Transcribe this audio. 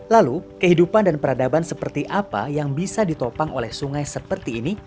lalu kehidupan dan peradaban seperti apa yang bisa ditopang oleh sungai seperti ini